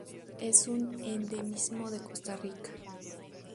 Es un endemismo de Costa Rica.